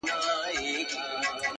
زه درڅخه ځمه ته اوږدې شپې زنګوه ورته-